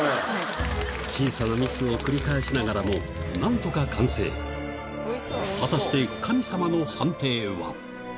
小さなミスを繰り返しながらもなんとか完成果たして神様の判定は？